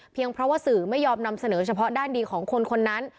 เพราะว่าสื่อไม่ยอมนำเสนอเฉพาะด้านดีของคนคนนั้น